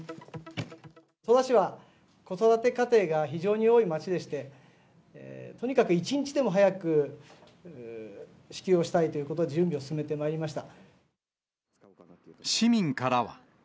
戸田市は子育て家庭が非常に多い町でして、とにかく一日でも早く支給をしたいということで、市民からは。